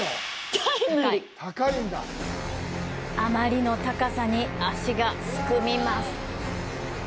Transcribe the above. あまりの高さに足がすくみます。